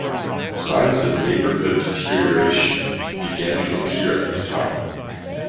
Signs of neighborhood deterioration began to appear at this time.